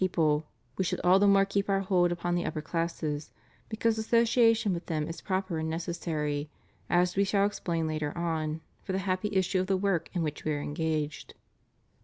people, We should all the more keep Our hold upon the upper classes, because association with them is proper and necessary, as We shall explain later on, for the happy issue of the work in which We are engaged.